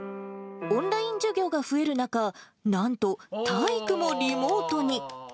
オンライン授業が増える中、なんと体育もリモートに。